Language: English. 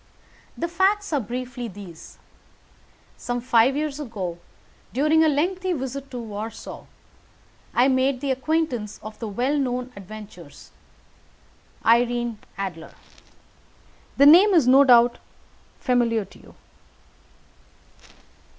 "The facts are briefly these: Some five years ago, during a lengthy visit to Warsaw, I made the acquaintance of the well known adventuress Irene Adler. The name is no doubt familiar to you."